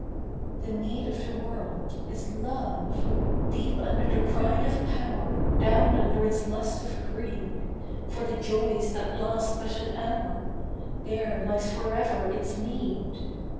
The need of the world is love. Deep under the pride of power, Down under its lust of greed, For the joys that last but an hour, There lies forever its need.